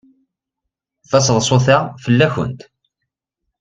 Taseḍsut-a fell-awent.